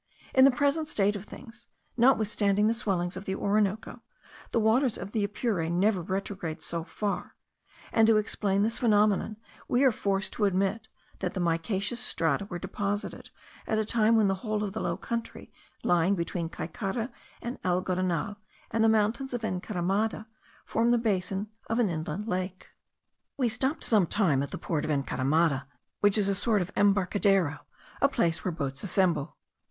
In the present state of things, notwithstanding the swellings of the Orinoco, the waters of the Apure never retrograde so far; and, to explain this phenomenon, we are forced to admit that the micaceous strata were deposited at a time when the whole of the very low country lying between Caycara, Algodonal, and the mountains of Encaramada, formed the basin of an inland lake. We stopped some time at the port of Encaramada, which is a sort of embarcadero, a place where boats assemble.